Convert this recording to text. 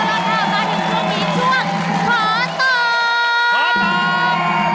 เอ้าแล้วถ้ามาถึงโลกมีช่วงขอตอบ